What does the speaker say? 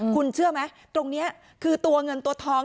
คุณเชื่อไหมตรงนี้คือตัวเงินตัวทอง